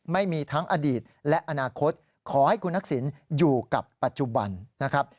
ไม่มีทั้งอดีตและอนาคตขอให้คุณทักษิณอยู่กับปัจจุบันนะครับ